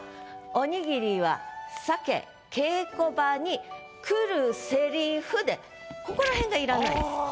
「おにぎりは鮭稽古場に繰る台詞」でここらへんがいらないんです。